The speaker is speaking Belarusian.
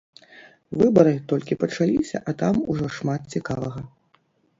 Выбары толькі пачаліся, а там ужо шмат цікавага!